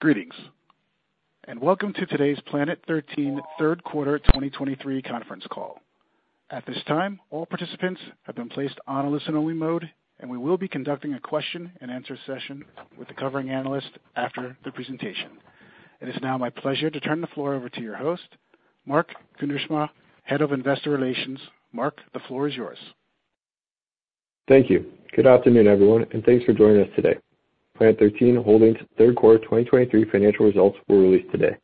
Greetings, and welcome to today's Planet 13 third quarter 2023 conference call. At this time, all participants have been placed on a listen-only mode, and we will be conducting a question-and-answer session with the covering analyst after the presentation. It is now my pleasure to turn the floor over to your host, Mark Kuindersma, Head of Investor Relations. Mark, the floor is yours. Thank you. Good afternoon, everyone, and thanks for joining us today. Planet 13 Holdings' third quarter 2023 financial results were released today.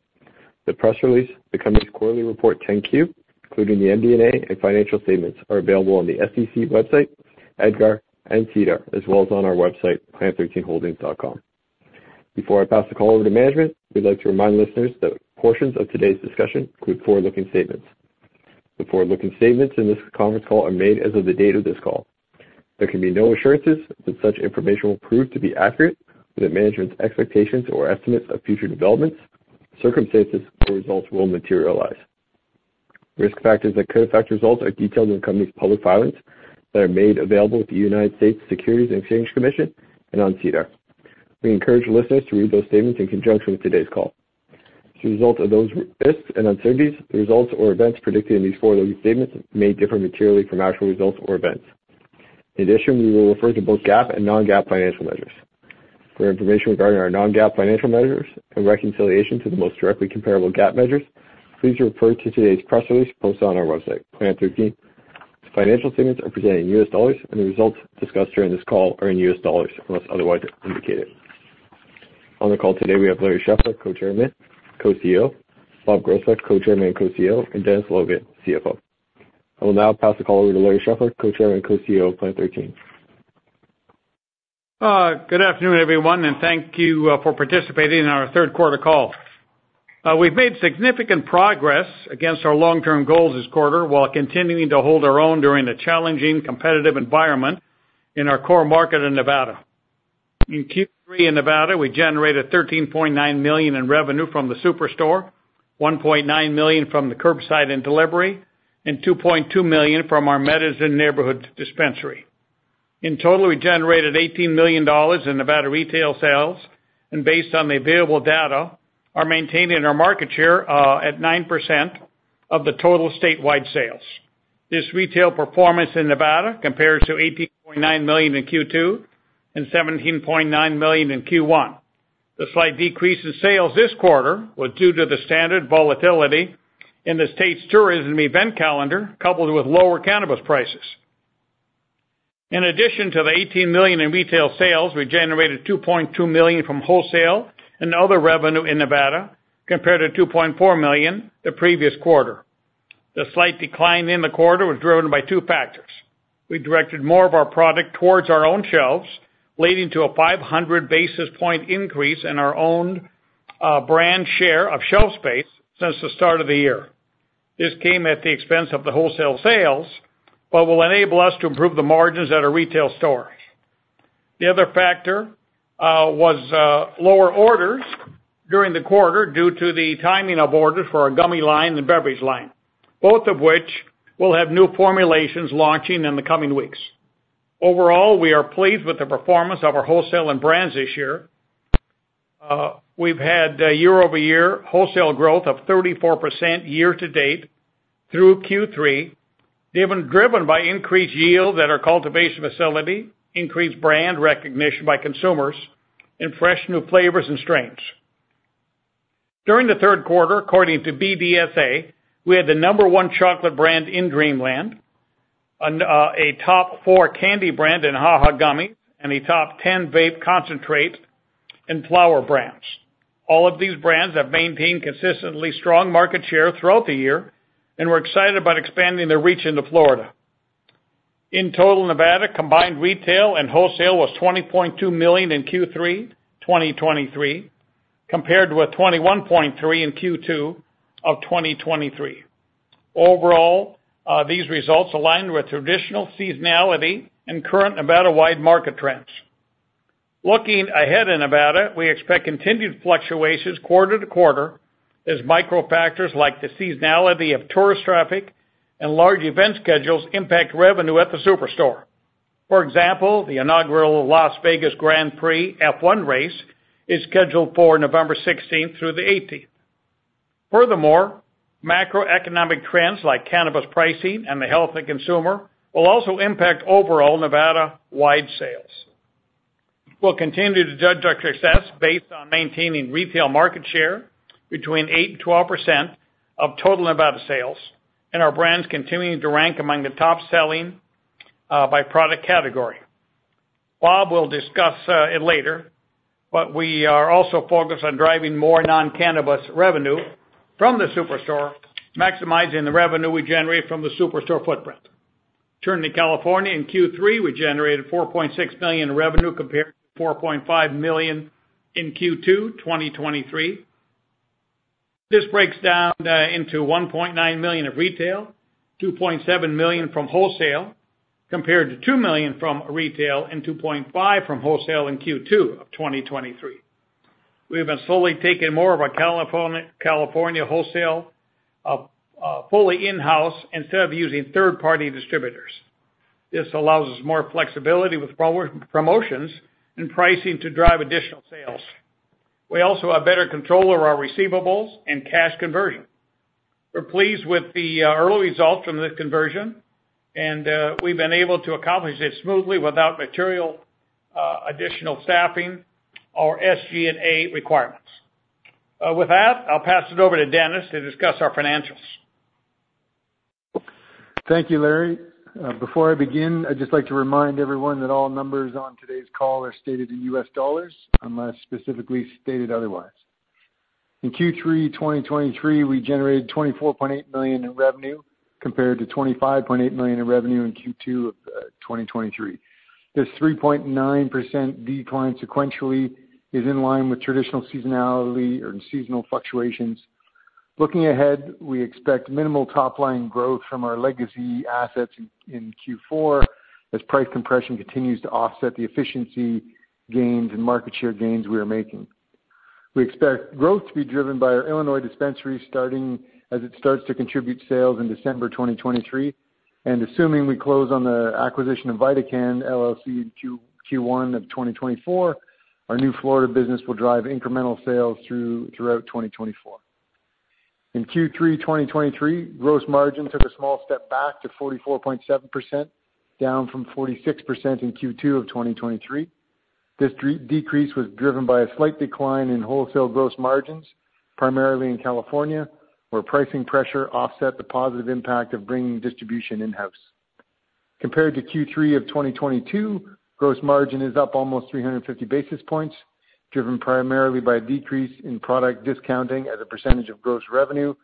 The press release, the company's quarterly report 10-Q, including the MD&A and financial statements, are available on the SEC website, EDGAR, and SEDAR, as well as on our website, planet13holdings.com. Before I pass the call over to management, we'd like to remind listeners that portions of today's discussion include forward-looking statements. The forward-looking statements in this conference call are made as of the date of this call. There can be no assurances that such information will prove to be accurate, or that management's expectations or estimates of future developments, circumstances, or results will materialize. Risk factors that could affect results are detailed in the company's public filings that are made available at the United States Securities and Exchange Commission and on SEDAR. We encourage listeners to read those statements in conjunction with today's call. As a result of those risks and uncertainties, the results or events predicted in these forward-looking statements may differ materially from actual results or events. In addition, we will refer to both GAAP and non-GAAP financial measures. For information regarding our non-GAAP financial measures and reconciliation to the most directly comparable GAAP measures, please refer to today's press release posted on our website. Planet 13's financial statements are presented in U.S. dollars, and the results discussed during this call are in U.S. dollars, unless otherwise indicated. On the call today, we have Larry Scheffler, Co-Chairman, Co-CEO, Bob Groesbeck, Co-Chairman and Co-CEO, and Dennis Logan, CFO. I will now pass the call over to Larry Scheffler, Co-Chairman and Co-CEO of Planet 13. Good afternoon, everyone, and thank you for participating in our third quarter call. We've made significant progress against our long-term goals this quarter, while continuing to hold our own during a challenging competitive environment in our core market in Nevada. In Q3 in Nevada, we generated $13.9 million in revenue from the superstore, $1.9 million from the curbside and delivery, and $2.2 million from our Medizin neighborhood dispensary. In total, we generated $18 million in Nevada retail sales, and based on the available data, are maintaining our market share at 9% of the total statewide sales. This retail performance in Nevada compares to $18.9 million in Q2 and $17.9 million in Q1. The slight decrease in sales this quarter was due to the standard volatility in the state's tourism event calendar, coupled with lower cannabis prices. In addition to the $18 million in retail sales, we generated $2.2 million from wholesale and other revenue in Nevada, compared to $2.4 million the previous quarter. The slight decline in the quarter was driven by two factors. We directed more of our product towards our own shelves, leading to a 500 basis point increase in our own, brand share of shelf space since the start of the year. This came at the expense of the wholesale sales, but will enable us to improve the margins at our retail stores. The other factor was lower orders during the quarter due to the timing of orders for our gummy line and beverage line, both of which will have new formulations launching in the coming weeks. Overall, we are pleased with the performance of our wholesale and brands this year. We've had year-over-year wholesale growth of 34% year to date through Q3, driven by increased yield at our cultivation facility, increased brand recognition by consumers, and fresh new flavors and strains. During the third quarter, according to BDSA, we had the number one chocolate brand in Dreamland, and a top four candy brand in HaHa Gummies, and a top ten vape concentrate and flower brands. All of these brands have maintained consistently strong market share throughout the year, and we're excited about expanding their reach into Florida. In total, Nevada, combined retail and wholesale was $20.2 million in Q3 2023, compared with $21.3 million in Q2 2023. Overall, these results aligned with traditional seasonality and current Nevada-wide market trends. Looking ahead in Nevada, we expect continued fluctuations quarter to quarter as micro factors like the seasonality of tourist traffic and large event schedules impact revenue at the superstore. For example, the inaugural Las Vegas Grand Prix F1 race is scheduled for November 16th-18th. Furthermore, macroeconomic trends like cannabis pricing and the health of the consumer will also impact overall Nevada-wide sales. We'll continue to judge our success based on maintaining retail market share between 8% and 12% of total Nevada sales, and our brands continuing to rank among the top-selling by product category. Bob will discuss it later, but we are also focused on driving more non-cannabis revenue from the superstore, maximizing the revenue we generate from the superstore footprint. Turning to California, in Q3, we generated $4.6 billion in revenue compared to $4.5 million in Q2 2023. This breaks down into $1.9 million of retail, $2.7 million from wholesale, compared to $2 million from retail and $2.5 million from wholesale in Q2 of 2023. We've been slowly taking more of our California, California wholesale fully in-house instead of using third-party distributors. This allows us more flexibility with promotions and pricing to drive additional sales. We also have better control over our receivables and cash conversion. We're pleased with the early results from this conversion, and we've been able to accomplish this smoothly without material additional staffing or SG&A requirements. With that, I'll pass it over to Dennis to discuss our financials. Thank you, Larry. Before I begin, I'd just like to remind everyone that all numbers on today's call are stated in U.S. dollars, unless specifically stated otherwise. In Q3 2023, we generated $24.8 million in revenue, compared to $25.8 million in revenue in Q2 of 2023. This 3.9% decline sequentially is in line with traditional seasonality or seasonal fluctuations. Looking ahead, we expect minimal top-line growth from our legacy assets in Q4, as price compression continues to offset the efficiency gains and market share gains we are making. We expect growth to be driven by our Illinois dispensary starting, as it starts to contribute sales in December 2023, and assuming we close on the acquisition of VidaCann, LLC, in Q1 of 2024, our new Florida business will drive incremental sales throughout 2024. In Q3 2023, gross margin took a small step back to 44.7%, down from 46% in Q2 of 2023. This decrease was driven by a slight decline in wholesale gross margins, primarily in California, where pricing pressure offset the positive impact of bringing distribution in-house. Compared to Q3 of 2022, gross margin is up almost 350 basis points, driven primarily by a decrease in product discounting as a percentage of gross revenue,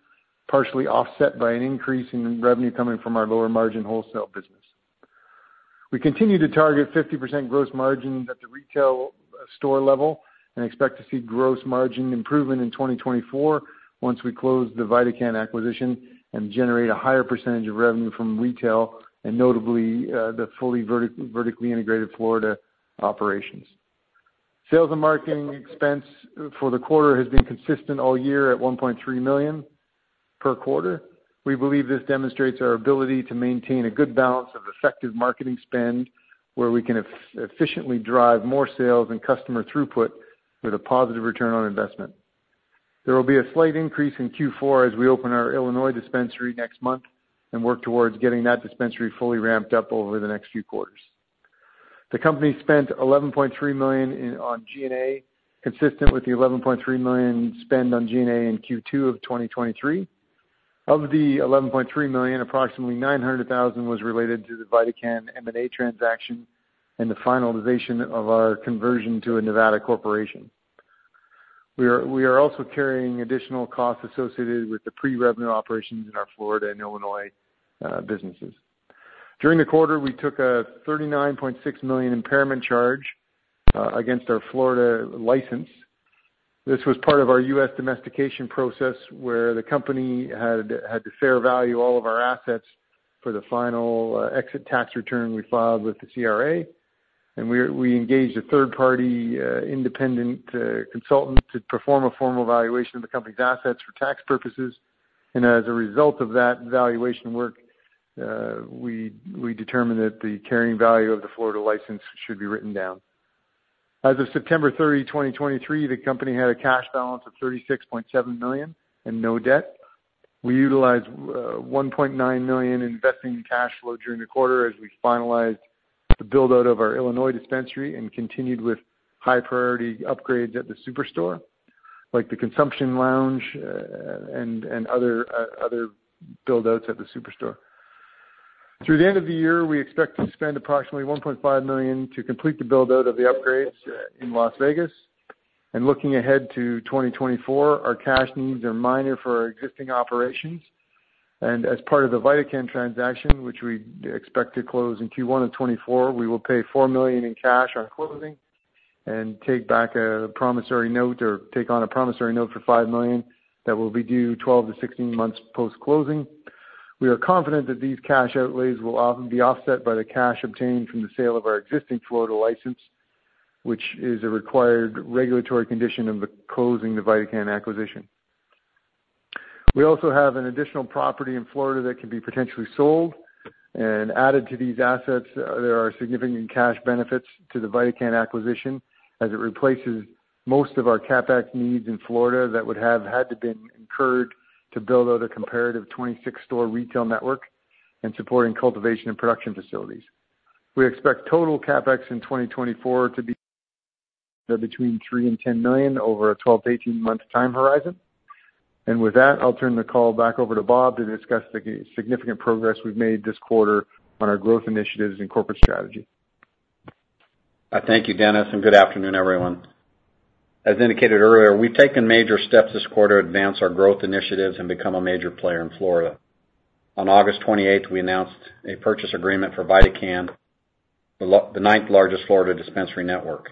partially offset by an increase in revenue coming from our lower-margin wholesale business. We continue to target 50% gross margin at the retail store level and expect to see gross margin improvement in 2024 once we close the VidaCann acquisition and generate a higher percentage of revenue from retail and notably, the fully vertically integrated Florida operations. Sales and marketing expense for the quarter has been consistent all year at $1.3 million per quarter. We believe this demonstrates our ability to maintain a good balance of effective marketing spend, where we can efficiently drive more sales and customer throughput with a positive return on investment. There will be a slight increase in Q4 as we open our Illinois dispensary next month and work towards getting that dispensary fully ramped up over the next few quarters. The company spent $11.3 million on G&A, consistent with the $11.3 million spend on G&A in Q2 of 2023. Of the $11.3 million, approximately $900,000 was related to the VidaCann M&A transaction and the finalization of our conversion to a Nevada corporation. We are, we are also carrying additional costs associated with the pre-revenue operations in our Florida and Illinois businesses. During the quarter, we took a $39.6 million impairment charge against our Florida license. This was part of our U.S. domestication process, where the company had to fair value all of our assets for the final exit tax return we filed with the CRA. We engaged a third-party independent consultant to perform a formal valuation of the company's assets for tax purposes. As a result of that valuation work, we determined that the carrying value of the Florida license should be written down. As of September 30, 2023, the company had a cash balance of $36.7 million and no debt. We utilized $1.9 million in investing cash flow during the quarter as we finalized the build-out of our Illinois dispensary and continued with high-priority upgrades at the superstore, like the consumption lounge, and other build-outs at the superstore. Through the end of the year, we expect to spend approximately $1.5 million to complete the build-out of the upgrades in Las Vegas. Looking ahead to 2024, our cash needs are minor for our existing operations. As part of the VidaCann transaction, which we expect to close in Q1 of 2024, we will pay $4 million in cash on closing and take back a promissory note, or take on a promissory note for $5 million that will be due 12-16 months post-closing. We are confident that these cash outlays will often be offset by the cash obtained from the sale of our existing Florida license, which is a required regulatory condition of the closing the VidaCann acquisition. We also have an additional property in Florida that can be potentially sold and added to these assets, there are significant cash benefits to the VidaCann acquisition as it replaces most of our CapEx needs in Florida that would have had to been incurred to build out a comparative 26-store retail network and supporting cultivation and production facilities. We expect total CapEx in 2024 to be between $3 million and $10 million over a 12- to 18-month time horizon. And with that, I'll turn the call back over to Bob to discuss the significant progress we've made this quarter on our growth initiatives and corporate strategy. Thank you, Dennis, and good afternoon, everyone. As indicated earlier, we've taken major steps this quarter to advance our growth initiatives and become a major player in Florida. On August 28th, we announced a purchase agreement for VidaCann, the ninth-largest Florida dispensary network.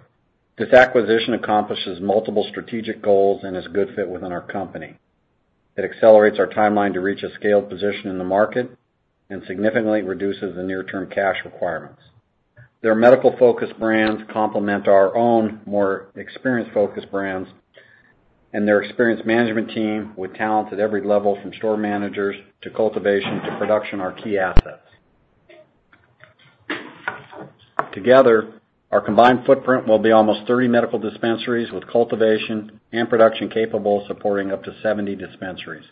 This acquisition accomplishes multiple strategic goals and is a good fit within our company. It accelerates our timeline to reach a scaled position in the market and significantly reduces the near-term cash requirements. Their medical-focused brands complement our own more experience-focused brands, and their experienced management team, with talent at every level, from store managers to cultivation to production, are key assets. Together, our combined footprint will be almost 30 medical dispensaries, with cultivation and production capable of supporting up to 70 dispensaries.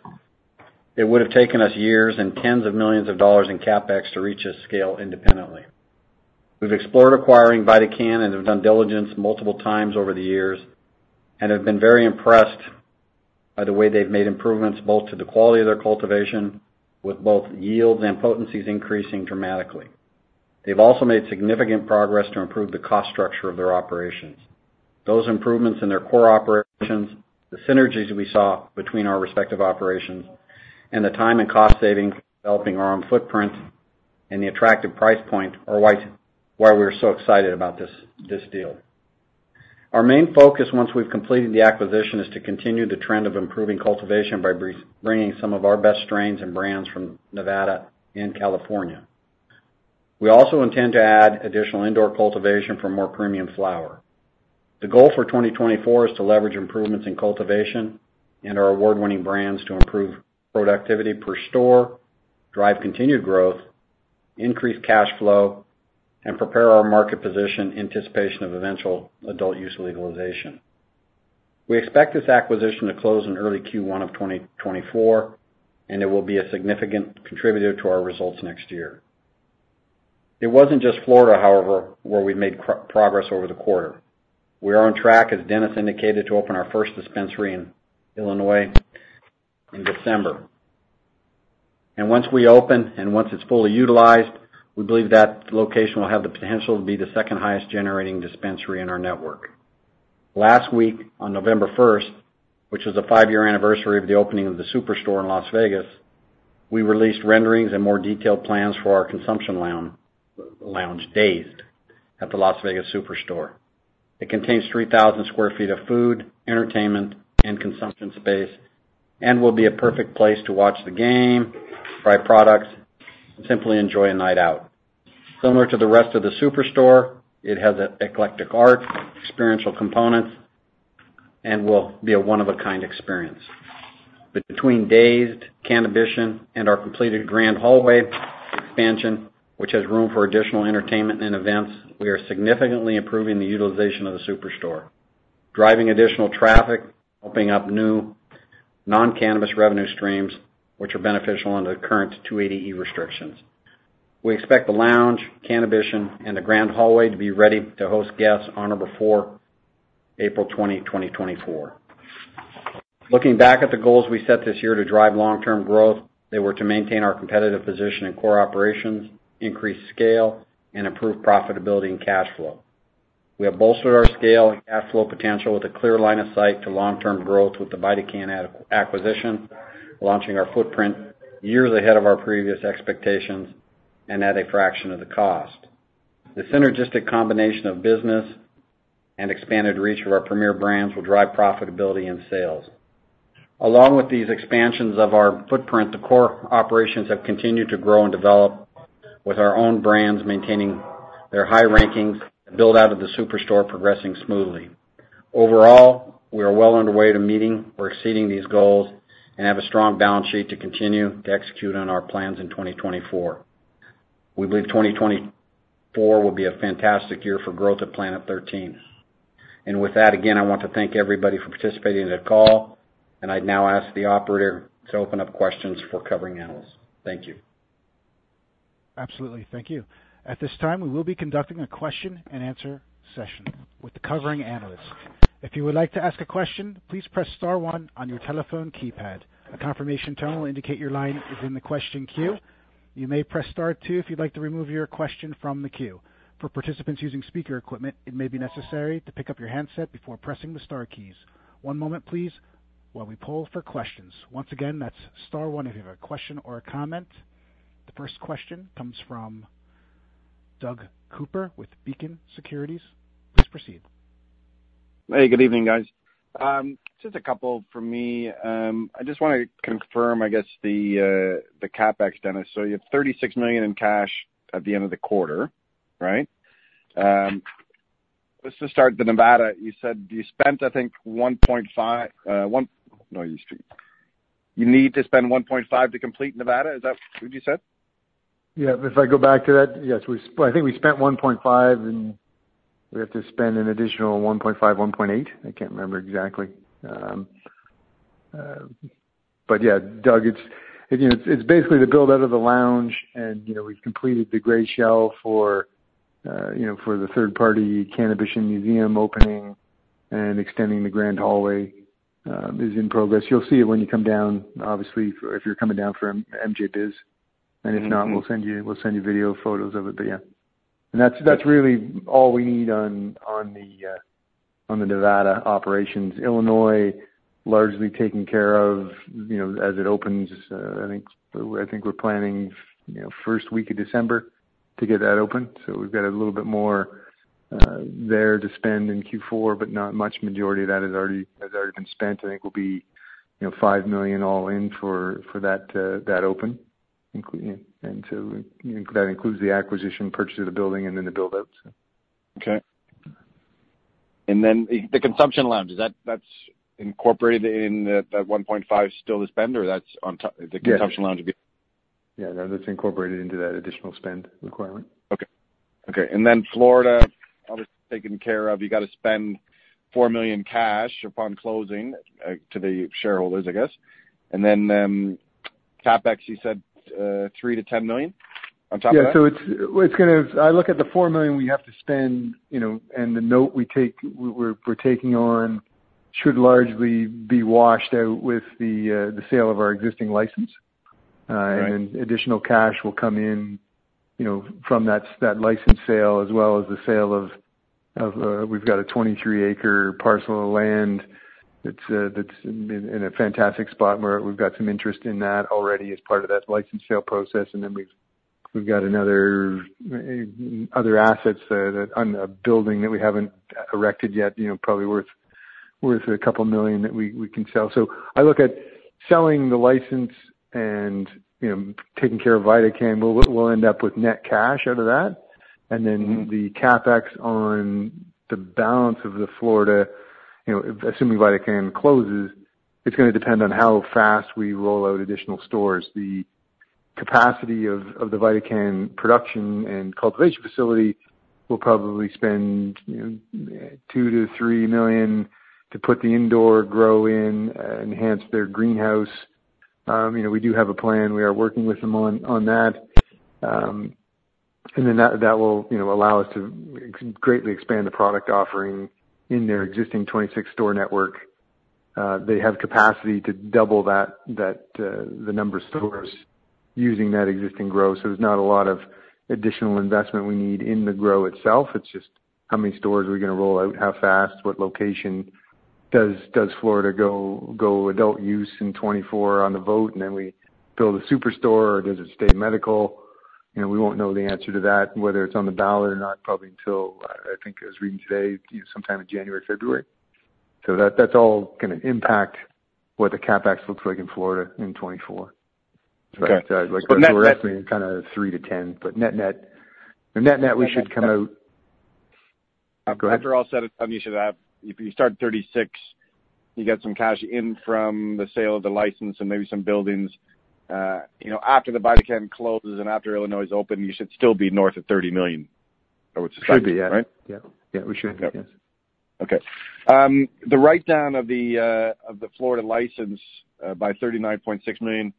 It would have taken us years and tens of millions of dollars in CapEx to reach this scale independently. We've explored acquiring VidaCann and have done diligence multiple times over the years and have been very impressed by the way they've made improvements, both to the quality of their cultivation, with both yields and potencies increasing dramatically. They've also made significant progress to improve the cost structure of their operations. Those improvements in their core operations, the synergies we saw between our respective operations and the time and cost savings, developing our own footprint and the attractive price point are why we are so excited about this deal. Our main focus, once we've completed the acquisition, is to continue the trend of improving cultivation by bringing some of our best strains and brands from Nevada and California. We also intend to add additional indoor cultivation for more premium flower. The goal for 2024 is to leverage improvements in cultivation and our award-winning brands to improve productivity per store, drive continued growth, increase cash flow, and prepare our market position in anticipation of eventual adult use legalization. We expect this acquisition to close in early Q1 of 2024, and it will be a significant contributor to our results next year. It wasn't just Florida, however, where we've made progress over the quarter. We are on track, as Dennis indicated, to open our first dispensary in Illinois in December. And once we open and once it's fully utilized, we believe that location will have the potential to be the second highest generating dispensary in our network. Last week, on November 1st, which was the five-year anniversary of the opening of the superstore in Las Vegas, we released renderings and more detailed plans for our consumption lounge DAZED! at the Las Vegas superstore. It contains 3,000 sq ft of food, entertainment, and consumption space and will be a perfect place to watch the game, try products, and simply enjoy a night out. Similar to the rest of the superstore, it has eclectic art, experiential components, and will be a one-of-a-kind experience. But between DAZED!, Cannabition, and our completed Grand Hallway expansion, which has room for additional entertainment and events, we are significantly improving the utilization of the superstore, driving additional traffic, opening up new non-cannabis revenue streams, which are beneficial under the current 280E restrictions. We expect the lounge, Cannabition, and the Grand Hallway to be ready to host guests on or before April 20, 2024. Looking back at the goals we set this year to drive long-term growth, they were to maintain our competitive position in core operations, increase scale, and improve profitability and cash flow. We have bolstered our scale and cash flow potential with a clear line of sight to long-term growth with the VidaCann acquisition, launching our footprint years ahead of our previous expectations and at a fraction of the cost. The synergistic combination of business and expanded reach of our premier brands will drive profitability and sales. Along with these expansions of our footprint, the core operations have continued to grow and develop, with our own brands maintaining their high rankings and build out of the superstore progressing smoothly. Overall, we are well underway to meeting or exceeding these goals and have a strong balance sheet to continue to execute on our plans in 2024. We believe 2024 will be a fantastic year for growth at Planet 13. And with that, again, I want to thank everybody for participating in the call, and I'd now ask the operator to open up questions for covering analysts. Thank you. Absolutely. Thank you. At this time, we will be conducting a question-and-answer session with the covering analysts. If you would like to ask a question, please press star one on your telephone keypad. A confirmation tone will indicate your line is in the question queue. You may press star two if you'd like to remove your question from the queue. For participants using speaker equipment, it may be necessary to pick up your handset before pressing the star keys. One moment please while we poll for questions. Once again, that's star one if you have a question or a comment. The first question comes from Doug Cooper with Beacon Securities. Please proceed. Hey, good evening, guys. Just a couple from me. I just want to confirm, I guess, the CapEx, Dennis. So you have $36 million in cash at the end of the quarter, right? Let's just start with the Nevada. You said you spent, I think, $1.5 million, no, you said you need to spend $1.5 million to complete Nevada. Is that what you said? Yeah, if I go back to that, yes, we spent $1.5 million, and we have to spend an additional $1.5 million-$1.8 million. I can't remember exactly. But yeah, Doug, it's, you know, it's basically the build out of the lounge and, you know, we've completed the gray shell for the third-party Cannabition museum opening and extending the Grand Hallway is in progress. You'll see it when you come down. Obviously, if you're coming down for MJBiz, and if not, we'll send you video photos of it. But, yeah. That's really all we need on the Nevada operations. Illinois, largely taken care of, you know, as it opens, I think, I think we're planning, you know, first week of December to get that open. So we've got a little bit more there to spend in Q4, but not much. Majority of that is already, has already been spent. I think we'll be, you know, $5 million all in for, for that that open, including. And so, that includes the acquisition purchase of the building and then the build out, so. Okay. And then the consumption lounge, is that that's incorporated in that $1.5 million still to spend, or that's on top? Yes. The consumption lounge would be? Yeah, no, that's incorporated into that additional spend requirement. Okay. Okay, and then Florida, obviously, taken care of. You got to spend $4 million cash upon closing, to the shareholders, I guess. And then, CapEx, you said, $3 million-$10 million on top of that? Yeah, so it's, it's gonna, I look at the $4 million we have to spend, you know, and the note we take, we're, we're taking on, should largely be washed out with the, the sale of our existing license. Right. And additional cash will come in, you know, from that, that license sale, as well as the sale of, of, we've got a 23-acre parcel of land that's, that's in, in a fantastic spot, where we've got some interest in that already as part of that license sale process. And then we've, we've got another, other assets, that on a building that we haven't erected yet, you know, probably worth a couple of million that we, we can sell. So I look at selling the license and, you know, taking care of VidaCann. We'll, we'll end up with net cash out of that. And then the CapEx on the balance of the Florida, you know, assuming VidaCann closes, it's gonna depend on how fast we roll out additional stores. The capacity of the VidaCann production and cultivation facility will probably spend, you know, $2 million-$3 million to put the indoor grow in, enhance their greenhouse. You know, we do have a plan. We are working with them on that. And then that will, you know, allow us to greatly expand the product offering in their existing 26 store network. They have capacity to double that the number of stores using that existing grow. So there's not a lot of additional investment we need in the grow itself. It's just how many stores are we gonna roll out? How fast? What location? Does Florida go adult use in 2024 on the vote, and then we build a superstore, or does it stay medical? You know, we won't know the answer to that, whether it's on the ballot or not, probably until I think I was reading today, you know, sometime in January, February. So that's all gonna impact what the CapEx looks like in Florida in 2024. Okay. So that's kind of $3 million-$10 million, but net-net, the net-net, we should come out. Go ahead. After all is said and done, you should have, if you start at $36 million, you get some cash in from the sale of the license and maybe some buildings. You know, after the VidaCann closes and after Illinois is open, you should still be north of $30 million, I would suspect, right? Should be, yeah. Yeah. Yeah, we should. Okay. The write-down of the Florida license by $39.6 million,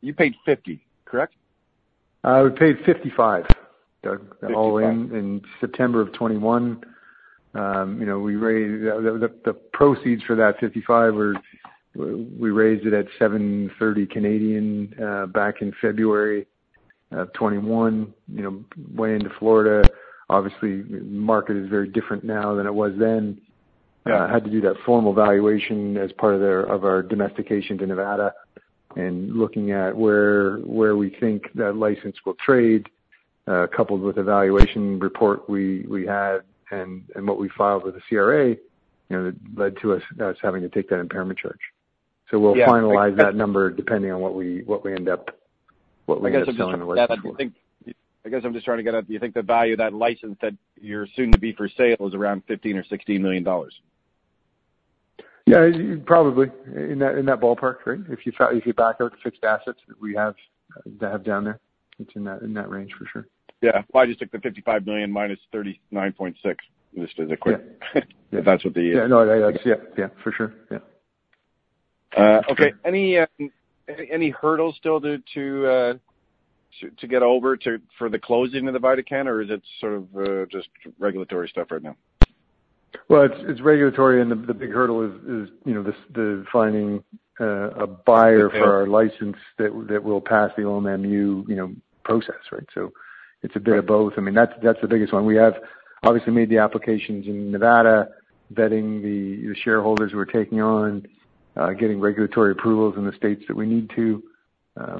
you paid $50 million, correct? We paid $55 million, Doug, all in. In September of 2021. You know, we raised the proceeds for that $55 million. We raised it at 7.30 back in February of 2021, you know, way into Florida. Obviously, market is very different now than it was then. Yeah. Had to do that formal valuation as part of our domestication to Nevada, and looking at where we think that license will trade, coupled with a valuation report we had and what we filed with the CRA, you know, led to us having to take that impairment charge. Yeah. We'll finalize that number, depending on what we end up selling and what it's for. I guess I'm just trying to get a, do you think the value of that license that you're soon to be for sale is around $15 million or $16 million? Yeah, probably. In that, in that ballpark, right? If you back out the fixed assets that we have, that have down there, it's in that, in that range for sure. Yeah. I just took the $55 million minus $39.6 million, just as a quick- Yeah. If that's what the- Yeah, no, I see. Yeah, for sure. Yeah. Okay. Any hurdles still to get over for the closing of the VidaCann, or is it sort of just regulatory stuff right now? Well, it's regulatory, and the big hurdle is, you know, the finding a buyer for our license, that will pass the OMMU, you know, process, right? So it's a bit of both. I mean, that's the biggest one. We have obviously made the applications in Nevada, vetting the shareholders we're taking on, getting regulatory approvals in the states that we need to,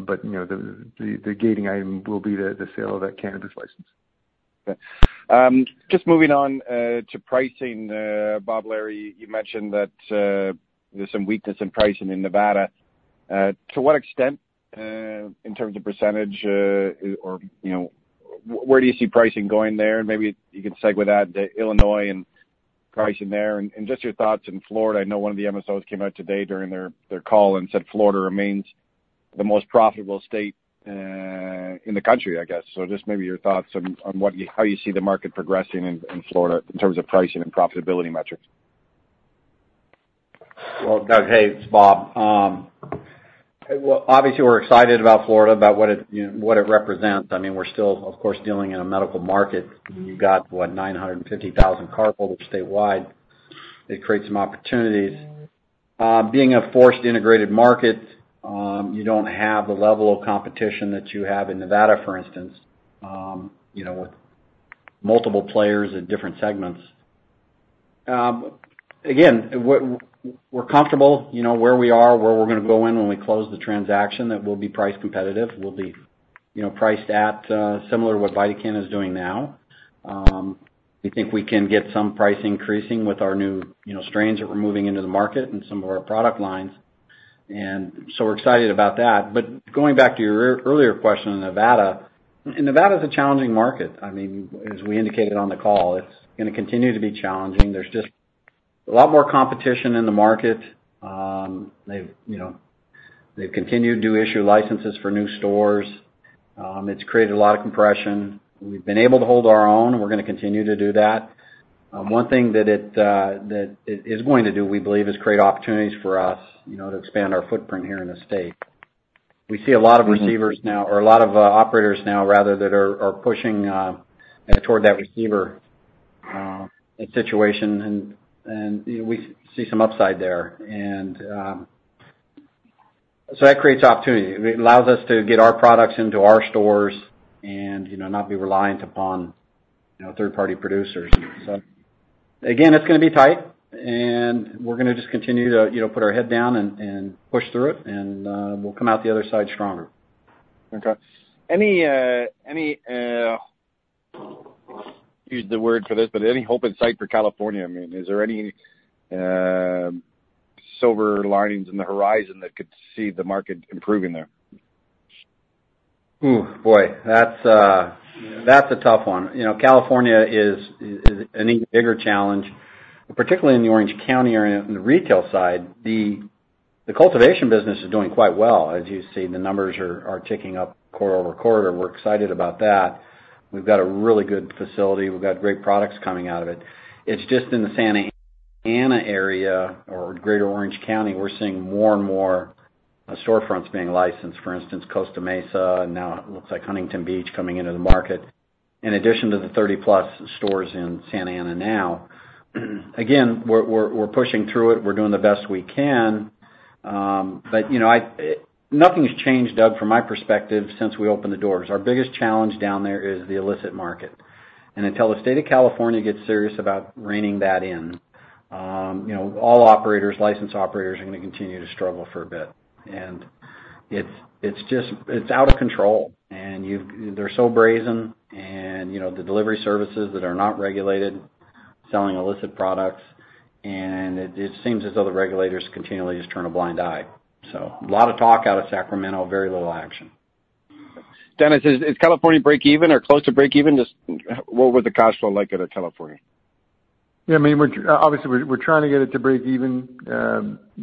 but, you know, the gating item will be the sale of that cannabis license. Okay. Just moving on to pricing. Bob, Larry, you mentioned that there's some weakness in pricing in Nevada. To what extent in terms of percentage or, you know, where do you see pricing going there? And maybe you can segue that to Illinois and pricing there, and just your thoughts in Florida. I know one of the MSOs came out today during their, their call and said Florida remains the most profitable state in the country, I guess. So just maybe your thoughts on what you, how you see the market progressing in Florida in terms of pricing and profitability metrics. Well, Doug, hey, it's Bob. Well, obviously, we're excited about Florida, about what it, you know, what it represents. I mean, we're still, of course, dealing in a medical market. You've got, what, 950,000 cardholders statewide. It creates some opportunities. Being a forced integrated market, you don't have the level of competition that you have in Nevada, for instance. You know, with multiple players in different segments. Again, what, we're comfortable, you know, where we are, where we're gonna go in when we close the transaction, that we'll be price competitive. We'll be, you know, priced at, similar to what VidaCann is doing now. We think we can get some price increasing with our new, you know, strains that we're moving into the market and some of our product lines. And so we're excited about that. But going back to your earlier question on Nevada, and Nevada is a challenging market. I mean, as we indicated on the call, it's gonna continue to be challenging. There's just a lot more competition in the market. They've, you know, they've continued to issue licenses for new stores. It's created a lot of compression. We've been able to hold our own, and we're gonna continue to do that. One thing that it, that it is going to do, we believe, is create opportunities for us, you know, to expand our footprint here in the state. We see a lot of receivers now, or a lot of, operators now, rather, that are, are pushing, toward that receiver, situation. And we see some upside there. And so that creates opportunity. It allows us to get our products into our stores and, you know, not be reliant upon, you know, third-party producers. So again, it's gonna be tight, and we're gonna just continue to, you know, put our head down and push through it, and we'll come out the other side stronger. Okay. Any hope in sight for California? I mean, is there any silver linings in the horizon that could see the market improving there? Oh, boy, that's, that's a tough one. You know, California is an even bigger challenge, particularly in the Orange County area on the retail side. The cultivation business is doing quite well. As you see, the numbers are ticking up quarter over quarter. We're excited about that. We've got a really good facility. We've got great products coming out of it. It's just in the Santa Ana area or Greater Orange County, we're seeing more and more storefronts being licensed, for instance, Costa Mesa, and now it looks like Huntington Beach coming into the market, in addition to the 30-plus stores in Santa Ana now. Again, we're pushing through it. We're doing the best we can. But, you know, I, nothing's changed, Doug, from my perspective since we opened the doors. Our biggest challenge down there is the illicit market. Until the state of California gets serious about reining that in, you know, all operators, licensed operators, are gonna continue to struggle for a bit. It's just out of control, and they're so brazen and, you know, the delivery services that are not regulated, selling illicit products, and it seems as though the regulators continually just turn a blind eye. A lot of talk out of Sacramento, very little action. Dennis, is California break even or close to break even? Just what would the cash flow like out of California? Yeah, I mean, we're obviously trying to get it to break even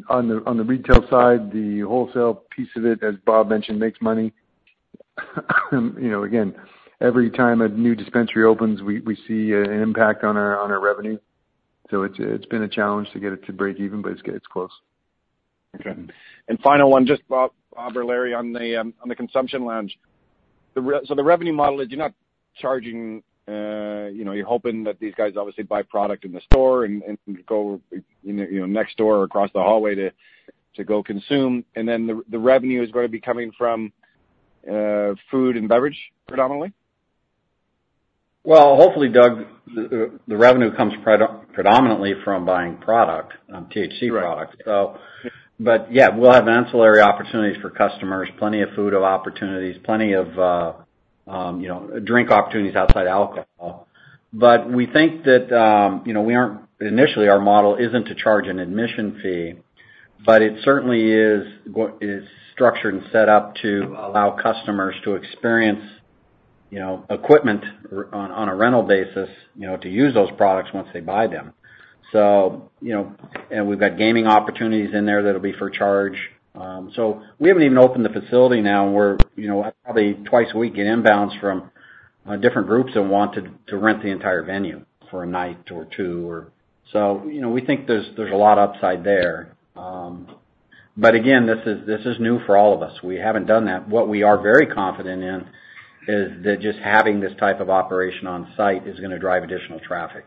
on the retail side. The wholesale piece of it, as Bob mentioned, makes money. You know, again, every time a new dispensary opens, we see an impact on our revenue. So it's been a challenge to get it to break even, but it's close. Okay. And final one, just Bob or Larry, on the consumption lounge. So the revenue model is you're not charging, you know, you're hoping that these guys obviously buy product in the store and go, you know, next door or across the hallway to go consume, and then the revenue is going to be coming from food and beverage, predominantly? Well, hopefully, Doug, the revenue comes predominantly from buying product, THC products. Right. So, but yeah, we'll have ancillary opportunities for customers, plenty of food opportunities, plenty of, you know, drink opportunities outside alcohol. But we think that, you know, we aren't, initially, our model isn't to charge an admission fee, but it certainly is structured and set up to allow customers to experience, you know, equipment on a rental basis, you know, to use those products once they buy them. So, you know, and we've got gaming opportunities in there that'll be for charge. So we haven't even opened the facility now, and we're, you know, probably twice a week in inbounds from different groups that want to rent the entire venue for a night or two or, so, you know, we think there's a lot of upside there. But again, this is new for all of us. We haven't done that. What we are very confident in is that just having this type of operation on site is gonna drive additional traffic,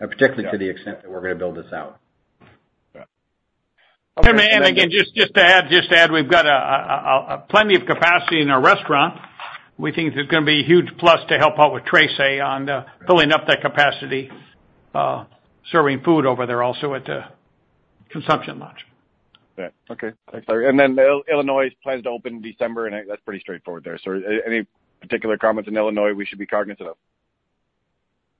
and particularly to the extent that we're gonna build this out. Got it. And again, just to add, we've got plenty of capacity in our restaurant. We think there's gonna be a huge plus to help out with Trece on filling up that capacity, serving food over there, also at the consumption lounge. Yeah. Okay. Thanks, Larry. And then Illinois plans to open December, and that's pretty straightforward there. So any particular comments in Illinois we should be cognizant of?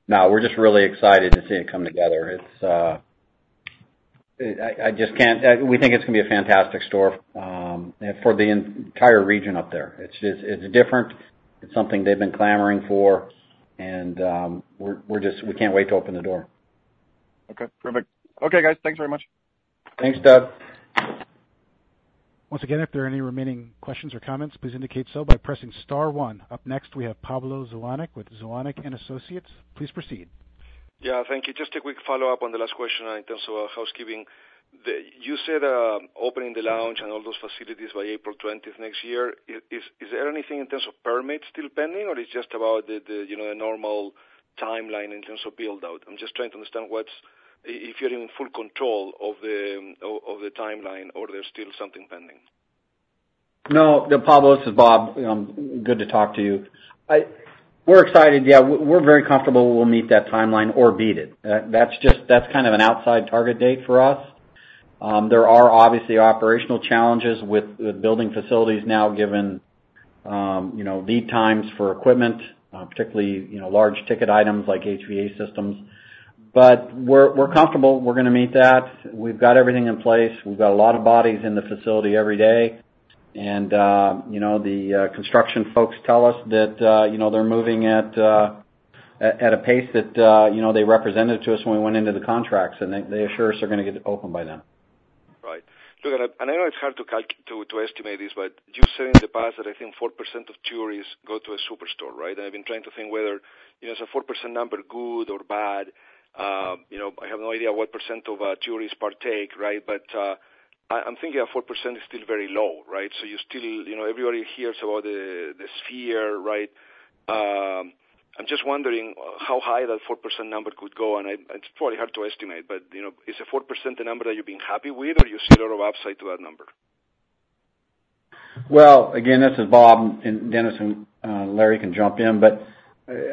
No, we're just really excited to see it come together. It's, I just can't, we think it's gonna be a fantastic store, for the entire region up there. It's just, it's different. It's something they've been clamoring for, and, we're just, we can't wait to open the door. Okay, perfect. Okay, guys. Thanks very much. Thanks, Doug. Once again, if there are any remaining questions or comments, please indicate so by pressing star one. Up next, we have Pablo Zuanic with Zuanic and Associates. Please proceed. Yeah, thank you. Just a quick follow-up on the last question in terms of housekeeping. You said opening the lounge and all those facilities by April 20 next year. Is there anything in terms of permits still pending, or it's just about the, you know, the normal timeline in terms of build-out? I'm just trying to understand what's, if you're in full control of the timeline or there's still something pending. No, Pablo, this is Bob. Good to talk to you. We're excited. Yeah, we're very comfortable we'll meet that timeline or beat it. That's just kind of an outside target date for us. There are obviously operational challenges with building facilities now, given you know, lead times for equipment, particularly you know, large ticket items like HVAC systems. But we're comfortable we're gonna meet that. We've got everything in place. We've got a lot of bodies in the facility every day, and you know, the construction folks tell us that you know, they're moving at a pace that you know, they represented to us when we went into the contracts, and they assure us they're gonna get it open by then. Right. Look, and I know it's hard to calculate, to estimate this, but you said in the past that I think 4% of tourists go to a superstore, right? And I've been trying to think whether, you know, is a 4% number good or bad? You know, I have no idea what percent of tourists partake, right? But, I'm thinking a 4% is still very low, right? So you still, you know, everybody hears about the, the sphere, right? I'm just wondering how high that 4% number could go, and it's probably hard to estimate, but, you know, is a 4% the number that you've been happy with, or you see a lot of upside to that number? Well, again, this is Bob, and Dennis, and Larry can jump in, but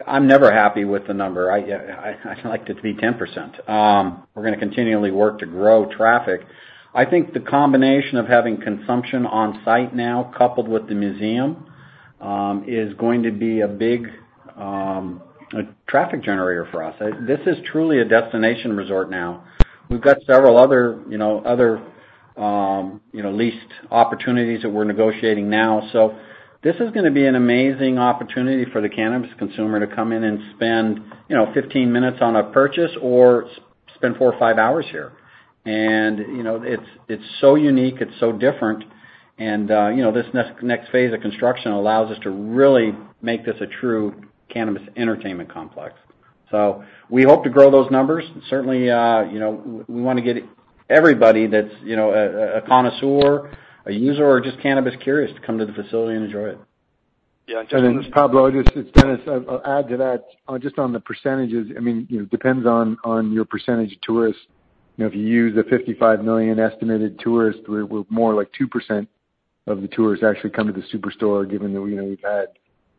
I'm never happy with the number. I'd like it to be 10%. We're gonna continually work to grow traffic. I think the combination of having consumption on site now, coupled with the museum, is going to be a big traffic generator for us. This is truly a destination resort now. We've got several other leased opportunities that we're negotiating now. So this is gonna be an amazing opportunity for the cannabis consumer to come in and spend 15 minutes on a purchase or spend four or five hours here. You know, it's, it's so unique, it's so different, and you know, this next, next phase of construction allows us to really make this a true cannabis entertainment complex. So we hope to grow those numbers. Certainly, you know, we wanna get everybody that's, you know, a connoisseur, a user, or just cannabis curious to come to the facility and enjoy it. Yeah, and- And then Pablo, just, it's Dennis. I'll add to that. Just on the percentages, I mean, you know, depends on your percentage of tourists. You know, if you use the 55 million estimated tourists, we're more like 2% of the tourists actually come to the superstore, given that, you know, we've had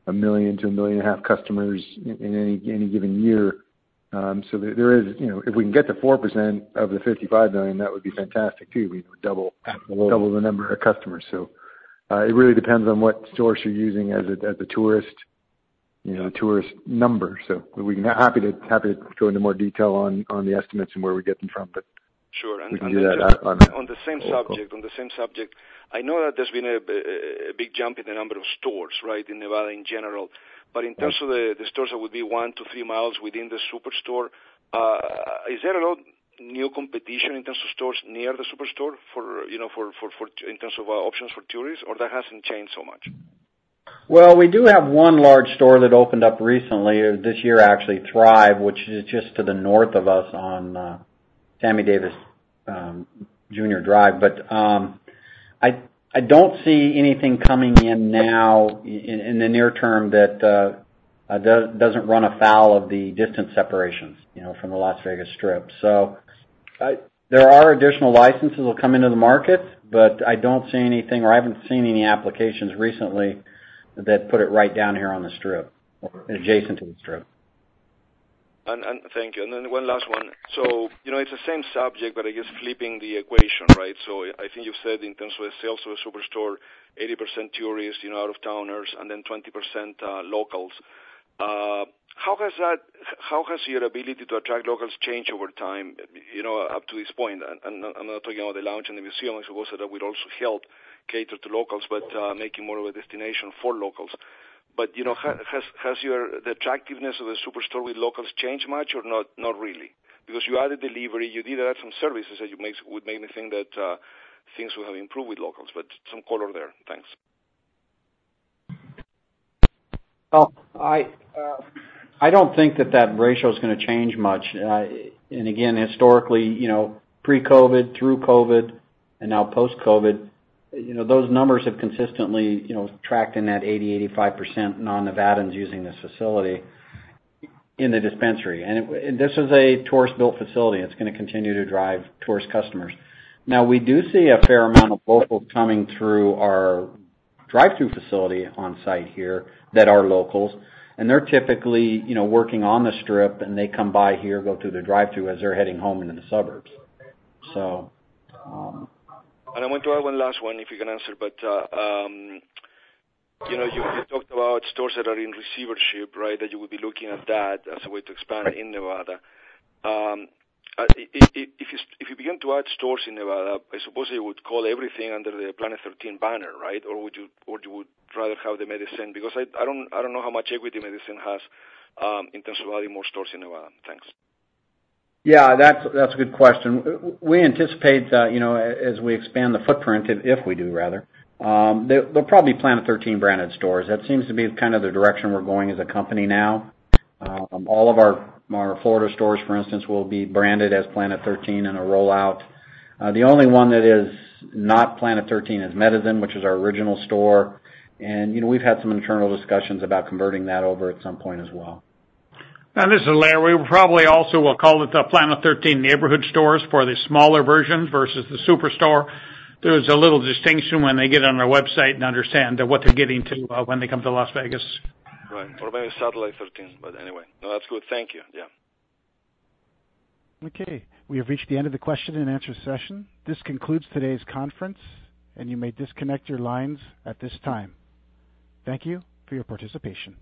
1 million to 1.5 million customers in any given year. So there is, you know, if we can get to 4% of the 55 million, that would be fantastic, too. We'd double the number of customers. So it really depends on what source you're using as the tourist, you know, tourist number. So we'd be happy to go into more detail on the estimates and where we get them from, but. Sure. We can do that on- On the same subject, on the same subject, I know that there's been a big jump in the number of stores, right, in Nevada in general. But in terms of the stores that would be 1-3 miles within the superstore, is there a lot new competition in terms of stores near the superstore for, you know, in terms of options for tourists, or that hasn't changed so much? Well, we do have one large store that opened up recently, this year, actually, Thrive, which is just to the north of us on Sammy Davis Jr. Drive. But I don't see anything coming in now in the near term that doesn't run afoul of the distance separations, you know, from the Las Vegas Strip. There are additional licenses that will come into the market, but I don't see anything, or I haven't seen any applications recently that put it right down here on the Strip or adjacent to the Strip. And thank you. Then one last one. So, you know, it's the same subject, but I guess flipping the equation, right? So I think you said in terms of the sales of the superstore, 80% tourists, you know, out-of-towners, and then 20% locals. How has your ability to attract locals changed over time, you know, up to this point? And I'm not talking about the lounge and the museum, I suppose that would also help cater to locals, but making more of a destination for locals. But, you know, has the attractiveness of the superstore with locals changed much or not, not really? Because you added delivery, you did add some services that would make me think that things would have improved with locals, but some color there. Thanks. Well, I, I don't think that that ratio is gonna change much. And again, historically, you know, pre-COVID, through COVID, and now post-COVID, you know, those numbers have consistently, you know, tracked in that 80%-85% non-Nevadans using this facility in the dispensary. And it, and this is a tourist-built facility. It's gonna continue to drive tourist customers. Now, we do see a fair amount of locals coming through our drive-thru facility on site here that are locals, and they're typically, you know, working on the Strip, and they come by here, go through the drive-thru as they're heading home into the suburbs. And I want to add one last one, if you can answer. But, you know, you talked about stores that are in receivership, right? That you would be looking at that as a way to expand in Nevada. If you begin to add stores in Nevada, I suppose you would call everything under the Planet 13 banner, right? Or would you rather have the Medizin? Because I don't know how much equity Medizin has in terms of adding more stores in Nevada. Thanks. Yeah, that's a good question. We anticipate that, you know, as we expand the footprint, if we do, rather, they're probably Planet 13 branded stores. That seems to be kind of the direction we're going as a company now. All of our Florida stores, for instance, will be branded as Planet 13 in a rollout. The only one that is not Planet 13 is Medizin, which is our original store, and, you know, we've had some internal discussions about converting that over at some point as well. This is Larry. We probably also will call it the Planet 13 neighborhood stores for the smaller version versus the superstore. There's a little distinction when they get on our website and understand that what they're getting to when they come to Las Vegas. Right. Or maybe Satellite 13. But anyway, no, that's good. Thank you. Yeah. Okay. We have reached the end of the question and answer session. This concludes today's conference, and you may disconnect your lines at this time. Thank you for your participation.